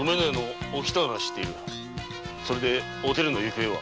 それでおてるの行方は？